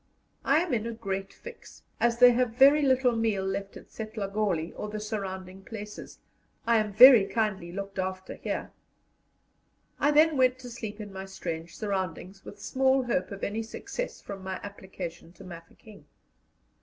I am in a great fix, as they have very little meal left at Setlagoli or the surrounding places. I am very kindly looked after here." I then went to sleep in my strange surroundings, with small hope of any success from my application to Mafeking.